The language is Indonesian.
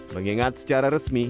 mengingat secara resmi